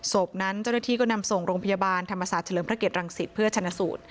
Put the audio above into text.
ศพนั้นเจ้าหน้าที่ก็นำส่งโรงพยาบาลธรรมศาสตร์เฉลิมพระเกรดรังศิษย์